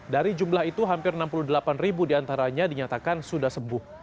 dari jumlah itu hampir enam puluh delapan ribu diantaranya dinyatakan sudah sembuh